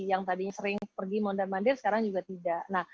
yang tadinya sering pergi mondar mandir sekarang juga tidak